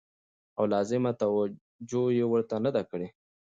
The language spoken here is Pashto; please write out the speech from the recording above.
او لازمه توجع يې ورته نه ده کړې